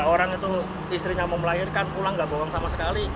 orang itu istrinya mau melahirkan pulang gak bohong sama sekali